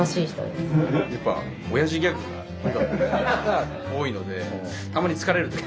やっぱ親父ギャグが多いのでたまに疲れる。